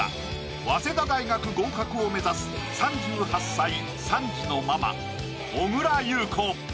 早稲田大学合格を目指す３８歳３児のママ・小倉優子